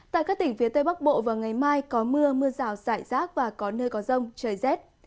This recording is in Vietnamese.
tại các tỉnh phía tây bắc bộ vào ngày mai có mưa mưa rào rải rác và có nơi có rông trời rét